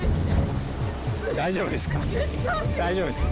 大丈夫ですか？